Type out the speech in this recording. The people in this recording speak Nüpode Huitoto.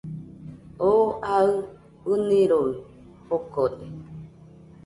Oo aɨ ɨniroi jokode